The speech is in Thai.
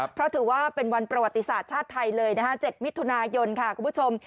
เพราะถือว่าเป็นวันประวัติศาสตร์ชาติไทยเลยนะคะ๗มิถุนายนค่ะคุณผู้ชม